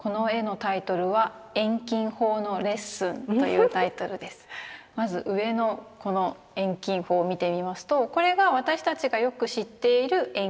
この絵のタイトルはまず上のこの遠近法を見てみますとこれが私たちがよく知っている遠近法。